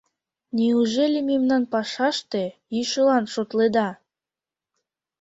Неужели мемнам пашаште йӱшылан шотледа?